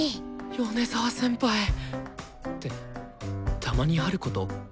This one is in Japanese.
米沢先輩！ってたまにあること？